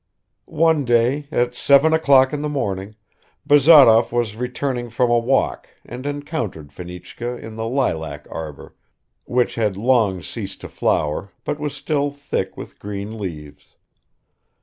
One day at seven o'clock in the morning, Bazarov was returning from a walk and encountered Fenichka in the lilac arbor, which had long ceased to flower but was still thick with green leaves.